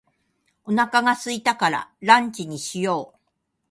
お腹が空いたからランチにしよう。